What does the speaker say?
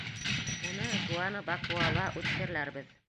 Уны Гуанабакоала үткерләрбеҙ.